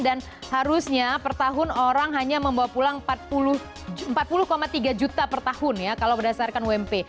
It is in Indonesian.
dan harusnya per tahun orang hanya membawa pulang empat puluh tiga juta per tahun ya kalau berdasarkan wmp